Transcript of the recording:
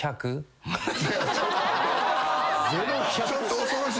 ちょっと恐ろしい。